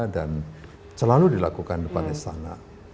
dan selalu dilakukan di istana